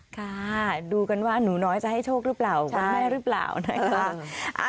ค่ะดูกันว่าหนูน้อยจะให้โชคหรือเปล่าคุณแม่หรือเปล่านะคะ